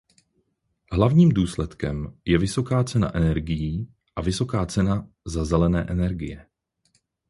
Hlavním důsledkem je vysoká cena energií a vysoká cena za zelené energie.